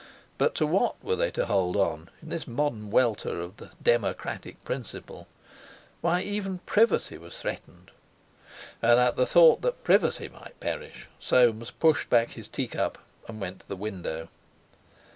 But to what were they to hold on in this modern welter of the "democratic principle"? Why, even privacy was threatened! And at the thought that privacy might perish, Soames pushed back his teacup and went to the window.